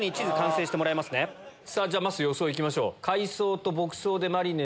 じゃまっすー予想いきましょう。